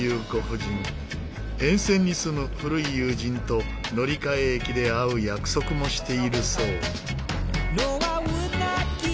沿線に住む古い友人と乗り換え駅で会う約束もしているそう。